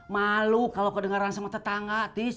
malu kalo kedengaran sama tetangga atis